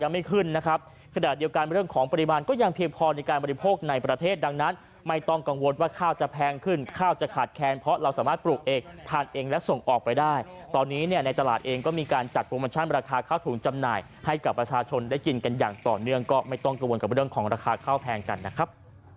ไม่ต้องกังวลว่าข้าวจะแพงขึ้นข้าวจะขาดแคนเพราะเราสามารถปลูกเอกทานเองและส่งออกไปได้ตอนนี้ในตลาดเองก็มีการจัดโปรโมชั่นราคาข้าวถุงจำหน่ายให้กับประชาชนได้กินกันอย่างต่อเนื่องก็ไม่ต้องกังวลกับเรื่องของราคาข้าวแพงกันนะครับ